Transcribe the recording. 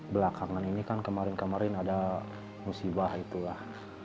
belakangan ini kan kemarin kemarin ada musibah itulah